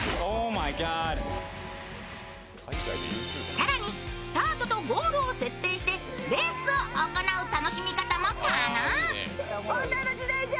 更にスタートとゴールを設定してレースを行う楽しみ方も可能。